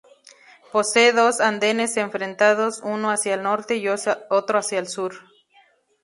Posee dos andenes enfrentados, uno hacia el norte y otro hacia el sur.